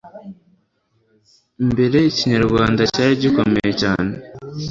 mbere ikinyarwanda cyari gikomeye cyane